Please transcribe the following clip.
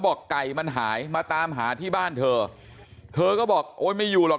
ไก่มันหายมาตามหาที่บ้านเธอเธอก็บอกโอ๊ยไม่อยู่หรอก